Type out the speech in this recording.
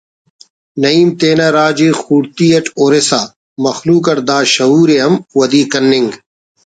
نعیم تینا راج ءِ خوڑتی اٹ ہُرسا مخلوق اٹ دا شعور ءِ ہم ودی کننگ